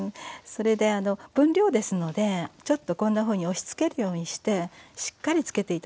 それで分量ですのでちょっとこんなふうに押しつけるようにしてしっかりつけて頂いていいですよ。